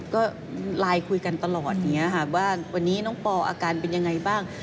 ก็ไลน์คุยกันตลอดอย่างนี้ค่ะว่าวันนี้น้องปออาการเป็นยังไงบ้าง